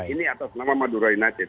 ini atas nama madurai nacet